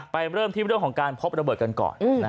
เริ่มที่เรื่องของการพบระเบิดกันก่อน